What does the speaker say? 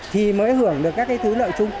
thì mới hưởng được các cái thứ lợi chung